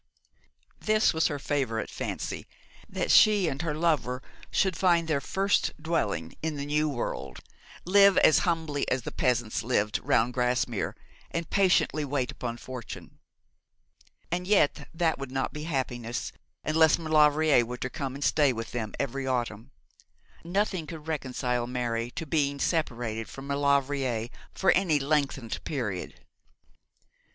This was her favourite fancy, that she and her lover should find their first dwelling in the new world, live as humbly as the peasants lived round Grasmere, and patiently wait upon fortune. And yet that would not be happiness, unless Maulevrier were to come and stay with them every autumn. Nothing could reconcile Mary to being separated from Maulevrier for any lengthened period.